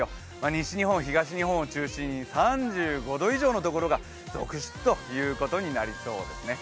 西日本、東日本を中心に３５度以上のところが続出ということになりそうですね。